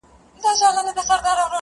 توري بڼي دي په سره لمر کي ځليږي!